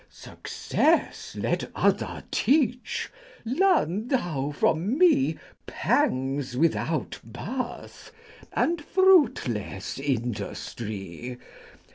Success let others teach, learn thou from me Pangs without birth, and fruitless industry.